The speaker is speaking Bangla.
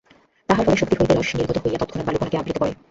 তাহার ফলে শুক্তি হইতে রস নির্গত হইয়া তৎক্ষণাৎ বালুকণাকে আবৃত করে।